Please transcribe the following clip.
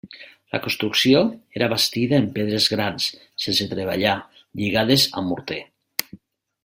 La construcció era bastida en pedres grans sense treballar lligades amb morter.